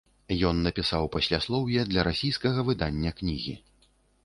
Ён напісаў пасляслоўе для расійскага выдання кнігі.